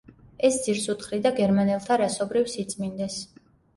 ეს ძირს უთხრიდა გერმანელთა რასობრივ სიწმინდეს.